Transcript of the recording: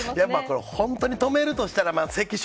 これ、本当に止めるとしたら、関所？